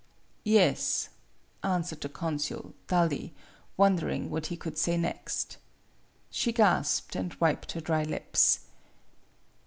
" Yes," answered the consul, dully, won dering what he could say next. She gasped, and wiped her dry lips.